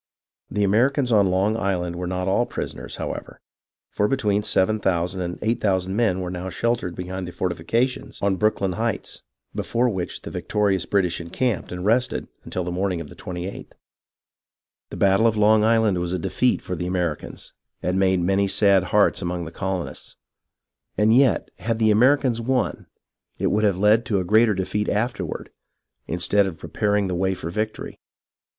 The Americans on Long Island were not all prisoners, however, for between seven thousand and eight thousand men were now sheltered behind the fortifications on Brooklyn Heights, before which the victorious British en camped and rested until the morning of the 28th. The battle of Long Island was a defeat for the Ameri cans, and made many sad hearts among the colonists. And yet had the Americans won, it would have led to a greater defeat afterward, instead of preparing the way for victory.